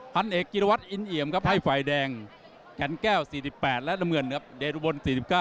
ทันเอกคิตวัสอินเหยมให้ไฟแดงแก่นแก้ว๔๘และน้ำเงินเดรุบน๔๙